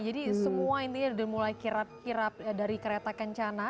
jadi semua intinya udah mulai kirap kirap dari kereta kencana